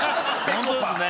ホントですね。